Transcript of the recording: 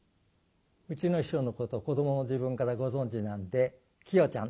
うちの師匠のことを子どもの時分からご存じなんで「きよちゃん」。